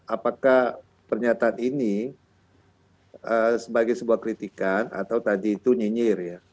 apakah pernyataan ini sebagai sebuah kritikan atau tadi itu nyinyir ya